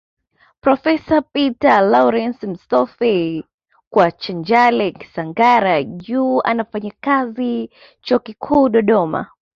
Profesa Pater Lawrance Msoffe wa Chanjale Kisangara juu anafanya kazi Chuo Kikuu Dodoma